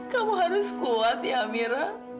kamu harus kuat ya mira